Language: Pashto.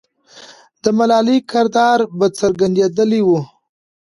د ملالۍ کردار به څرګندېدلی وو.